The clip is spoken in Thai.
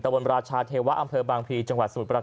ตะวลราชาเทวย์อำเภอบางพีจังหวัดสมุดประการ